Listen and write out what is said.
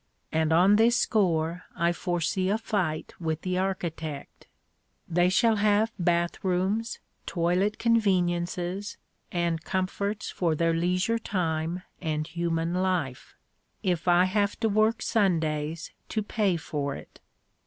And on this score I foresee a fight with the architect. They shall have bath rooms, toilet conveniences, and comforts for their leisure time and human life if I have to work Sundays to pay for it.